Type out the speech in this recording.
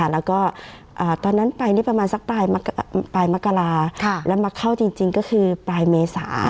แล้วก็ตอนนั้นไปนี่ประมาณสักปลายมกราแล้วมาเข้าจริงก็คือปลายเมษา